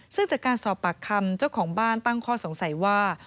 ซึ่งจากการสอบปากคำเจ้าของบ้านตั้งข้อสงสัยว่า